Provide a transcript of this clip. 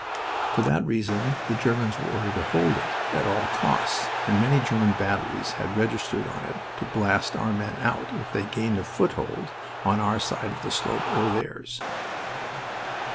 For that reason the Germans were ordered to hold it at all costs, and many German batteries had registered on it to blast our men out if they gained a foothold on our side of the slope or theirs.